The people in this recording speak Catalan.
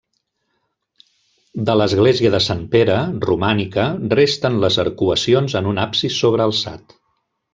De l'església de Sant Pere, romànica, resten les arcuacions en un absis sobrealçat.